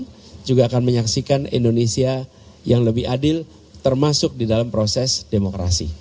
kita juga akan menyaksikan indonesia yang lebih adil termasuk di dalam proses demokrasi